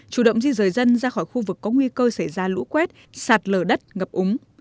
chủ động di rời dân ra khỏi khu vực có nguy cơ xảy ra lũ quét sạt lở đất ngập úng